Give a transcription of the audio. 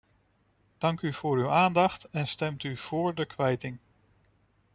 Dank u voor uw aandacht, en stemt u vóór de kwijting.